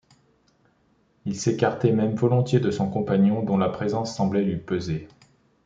Il s’écartait même volontiers de son compagnon, dont la présence semblait lui peser